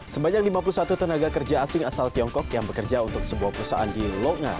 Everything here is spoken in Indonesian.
sebanyak lima puluh satu tenaga kerja asing asal tiongkok yang bekerja untuk sebuah perusahaan di longa